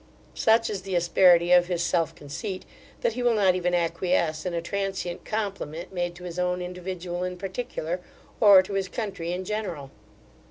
Such is the asperity of his self conceit, that he will not even acquiesce in a transient compliment made to his own individual in particular, or to his country in general.